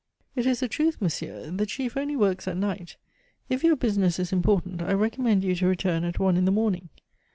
"It is the truth, monsieur. The chief only works at night. If your business is important, I recommend you to return at one in the morning."